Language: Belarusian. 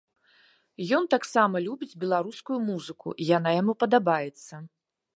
Ён таксама любіць беларускую музыку, яна яму падабаецца.